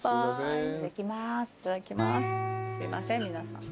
すいません皆さん。